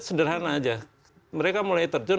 sederhana aja mereka mulai terjun